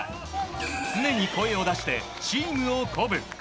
常に声を出してチームを鼓舞。